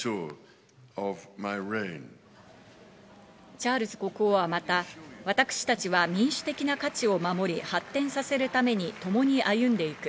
チャールズ国王はまた、私たちは民主的な価値を守り、発展させるために共に歩んでいく。